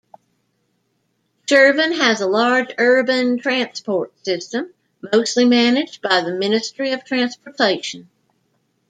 Shirvan has a large urban transport system, mostly managed by the Ministry of Transportation.